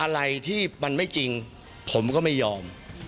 อะไรที่มันไม่จริงผมก็ไม่ยอม